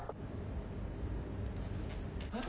えっ？